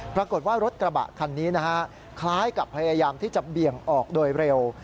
ปรากฏว่ารถกระบะคันนี้นะฮะคล้ายกับพยายามที่จะเบี่ยงออกโดยเร็ว